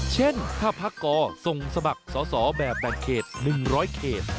เช่นถ้าพักกส่งสมัครสอสอแบบแบ่งเขต๑๐๐เขต